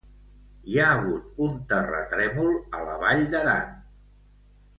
Hi ha hagut un terratrèmol a la Vall d'Aran.